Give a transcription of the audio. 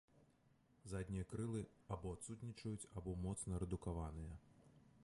Заднія крылы або адсутнічаюць або моцна рэдукаваныя.